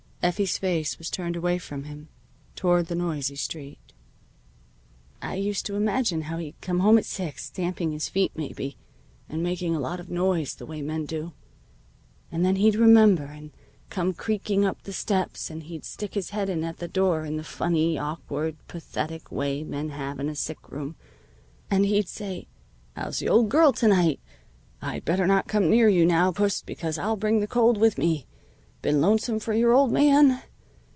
Effie's face was turned away from him, toward the noisy street. "I used to imagine how he'd come home at six, stamping his feet, maybe, and making a lot of noise the way men do. And then he'd remember, and come creaking up the steps, and he'd stick his head in at the door in the funny, awkward, pathetic way men have in a sick room. And he'd say, 'How's the old girl to night? I'd better not come near you now, puss, because I'll bring the cold with me. Been lonesome for your old man?'